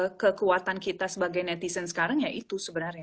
mungkin kekuatan kita sebagai netizen sekarang ya itu